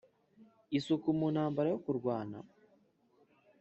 isuku mu ntambara yo kurwana!